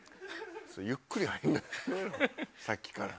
ゆっくり入るなさっきから。